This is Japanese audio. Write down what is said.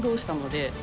で